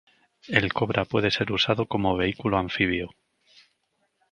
El Cobra puede ser usado como vehículo anfibio.